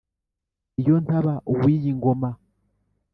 iyo ntaba uw’iyi ngoma